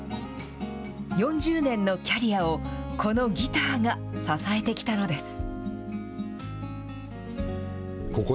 ４０年のキャリアをこのギターが支えてきたのです。